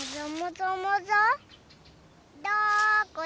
どこだ？